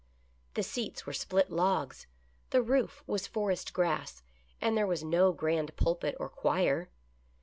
The seats were split logs, the roof was forest grass, and there was no grand pulpit or choir.